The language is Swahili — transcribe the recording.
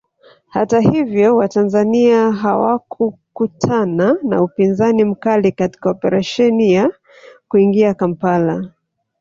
Hata hivyo watanzania hawakukutana na upinzani mkali katika operesheni ya kuingia Kampala